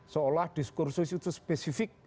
seolah diskursus itu spesifik